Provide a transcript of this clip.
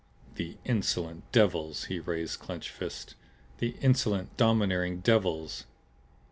"The insolent devils!" He raised clenched fists. "The insolent, domineering devils!"